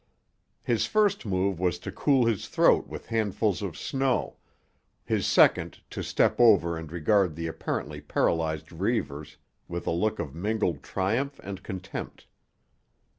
His first move was to cool his throat with handfuls of snow, his second to step over and regard the apparently paralysed Reivers with a look of mingled triumph and contempt.